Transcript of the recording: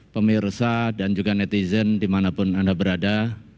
pemirsa dan juga netizen dimanapun anda berada